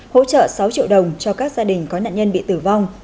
hỗ trợ sáu triệu đồng cho các gia đình có nạn nhân bị tử vong